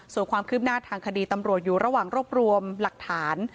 ส่วนความคืบหน้าทางคดีตำรวจอยู่ระหว่างรวบรวมหลักฐาน